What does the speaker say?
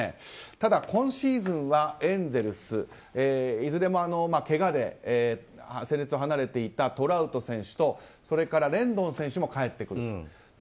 ただ、今シーズンはエンゼルスいずれもけがで戦列を離れていたトラウト選手とレンドン選手も帰ってくる。